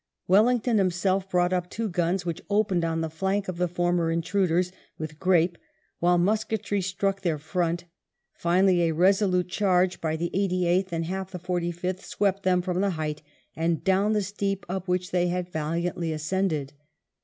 Wellington himself brought up two guns, which opened on the flank of tne former intruders with grape, while musketry struck their front ; finally a resolute charge by the Eighty eighth and half the Forty fifth swept them from the height and down the steep up which they had valiantly ascended.